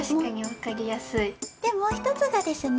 でもうひとつがですね